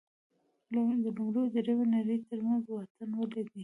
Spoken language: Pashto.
د لومړۍ او درېیمې نړۍ ترمنځ واټن ولې دی.